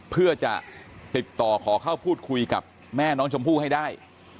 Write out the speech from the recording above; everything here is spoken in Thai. เพื่อจะติดต่อขอเข้าพูดคุยกับแม่น้องชมพู่ให้ได้